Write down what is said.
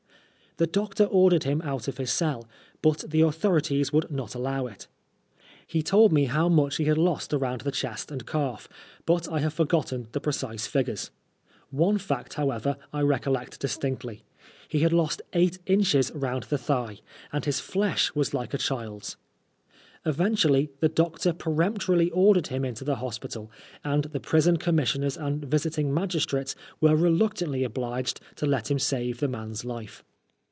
The doctor ordered him out of his cell, but the authorities would not allow it. He told me how much he had lost round the chest and calf, but I have forgotten the precise figures. One fact, however, I recollect distinctly ; he had lost eight inches round the thighy and his flesh was like a child's. Eventually the doetor peremptorily ordered him into the hospital, and the Prison Commissioners and Visiting Magistrates were reluctantly obliged to let him save the man's life.